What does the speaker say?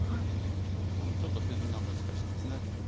ここのちょっと手順が難しいんです。